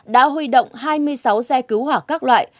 đã huy động hai mươi sáu xe cứu hỏa các loại